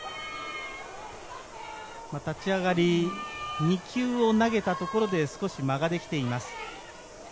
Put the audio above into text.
立ち上がり、２球を投げたところで少し間ができています。